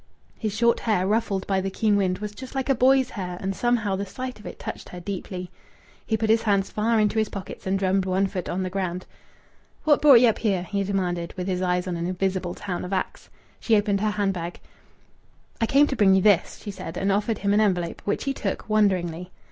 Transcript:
His short hair, ruffled by the keen wind, was just like a boy's hair and somehow the sight of it touched her deeply. He put his hands far into his pockets and drummed one foot on the ground. "What brought ye up here?" he demanded, with his eyes on an invisible town of Axe. She opened her hand bag. "I came to bring you this," she said, and offered him an envelope, which he took, wonderingly.